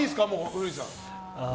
古市さん。